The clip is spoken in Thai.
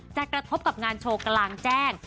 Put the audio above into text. กระทบกับงานโชว์กลางแจ้ง